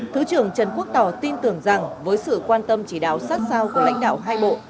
thứ trưởng trần quốc tỏ tin tưởng rằng với sự quan tâm chỉ đạo sát sao của lãnh đạo hai bộ